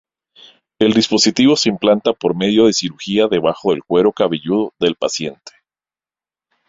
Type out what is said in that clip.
El dispositivo se implanta por medio de cirugía debajo del cuero cabelludo del paciente.